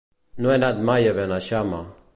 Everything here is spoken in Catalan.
No he anat mai a Beneixama.